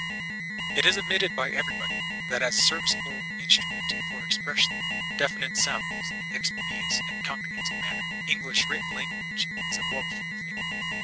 It is admitted by everybody that as a serviceable instru ment for expressing definite sounds in an expeditious and comprehensible manner* English written language is a woeful failure.